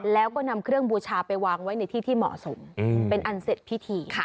แล้วก็นำเครื่องบูชาไปวางไว้ในที่ที่เหมาะสมเป็นอันเสร็จพิธี